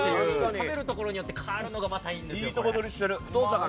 食べるところによって変わるのがいいんですよね。